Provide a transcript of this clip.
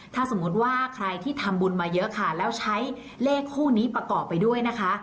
ถ้าสมมุติว่าใครที่ทำบุญมาเยอะค่ะแล้วใช้เลขคู่นี้ประกอบไปด้วยนะคะ